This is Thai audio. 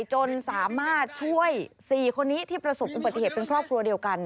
จนสามารถช่วย๔คนนี้ที่ประสบอุบัติเหตุเป็นครอบครัวเดียวกัน